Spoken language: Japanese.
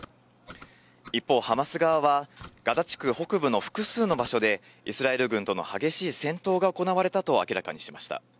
一方、ハマス側は、ガザ地区北部の複数の場所でイスラエル軍との激しい戦闘が行われたと明らかにしました。